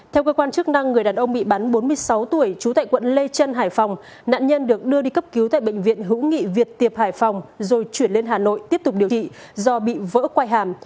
theo cơ quan chức năng người đàn ông bị bắn bốn mươi sáu tuổi trú tại quận lê trân hải phòng nạn nhân được đưa đi cấp cứu tại bệnh viện hữu nghị việt tiệp hải phòng rồi chuyển lên hà nội tiếp tục điều trị do bị vỡ quay hàm